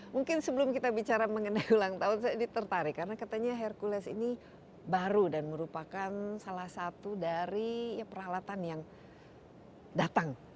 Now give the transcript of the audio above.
mungkin sebelum kita bicara mengenai ulang tahun saya tertarik karena katanya hercules ini baru dan merupakan salah satu dari peralatan yang datang